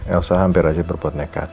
elsa hampir aja berbuat nekat